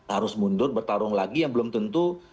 harus mundur bertarung lagi yang belum tentu